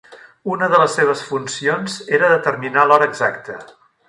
Una de les seves funcions era determinar l'hora exacta.